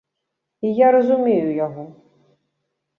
І я разумею яго.